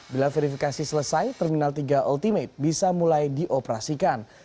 bila verifikasi selesai terminal tiga ultimate bisa mulai dioperasikan